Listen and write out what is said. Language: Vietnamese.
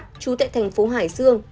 trú tại thành phố hải dương